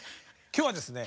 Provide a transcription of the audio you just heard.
今日はですね